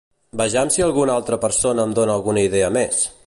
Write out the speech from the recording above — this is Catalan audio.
Vejam si alguna altra persona em dona alguna idea més!